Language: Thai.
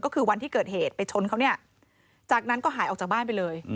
ก็คือวันที่เกิดเหตุไปชนเขาเนี่ยจากนั้นก็หายออกจากบ้านไปเลย